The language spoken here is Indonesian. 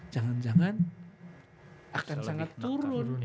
jangan jangan akan sangat turun